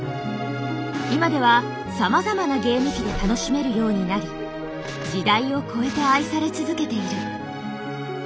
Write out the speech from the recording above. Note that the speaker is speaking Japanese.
今ではさまざまなゲーム機で楽しめるようになり時代を超えて愛され続けている。